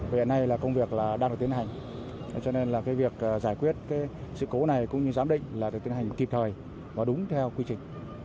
bây giờ này công việc đang được tiến hành cho nên việc giải quyết sự cố này cũng như giám định là được tiến hành kịp thời và đúng theo quy trình